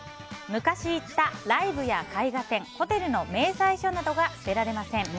昔行ったライブや絵画展ホテルの明細書などが捨てられません。